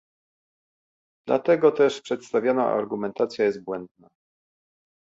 Dlatego też przedstawiona argumentacja jest błędna